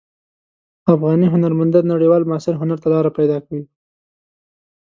افغاني هنرمندان نړیوال معاصر هنر ته لاره پیدا کوي.